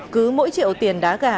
cứ mỗi triệu tiền đá gà